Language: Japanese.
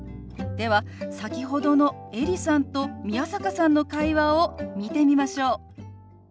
では先ほどのエリさんと宮坂さんの会話を見てみましょう。